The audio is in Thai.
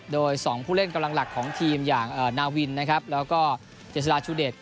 โดย๒ผู้เล่นกำลังหลักของทีมอย่างนาวินนะครับแล้วก็เจษฎาชูเดช